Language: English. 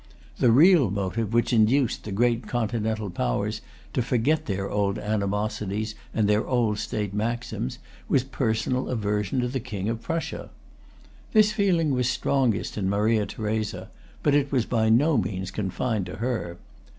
The real motive which induced the great Continental powers to forget their old animosities and their old state maxims was personal aversion to the King of Prussia. This feeling was strongest in Maria Theresa; but it was by no means confined to her.